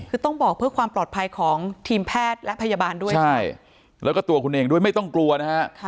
คือต้องบอกเพื่อความปลอดภัยของทีมแพทย์และพยาบาลด้วยใช่แล้วก็ตัวคุณเองด้วยไม่ต้องกลัวนะฮะ